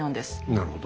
なるほど。